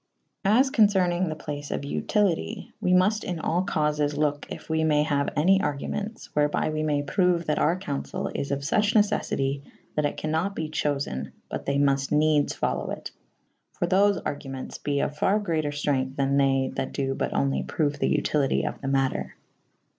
As concernynge the place of vtilite / we must in all cauies loke if we may haue any argumentes wherby we may proue that our councell is of fuche neceffity / that it can nat be chofen but they muft nedes folowe it / for tho^ argumewtes be of ferre greater ftrengthe than they that do but onely proue the vtilitie of the mater.